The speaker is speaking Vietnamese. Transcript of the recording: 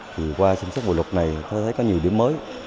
thì qua sản xuất bộ luật này tôi thấy có nhiều điểm mới